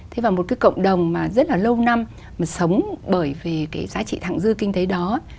thế và một cái cộng đồng mà rất là lâu năm mà sống bởi về cái giá trị thẳng dư kinh tế đó